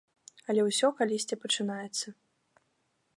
Але ўсё калісьці пачынаецца.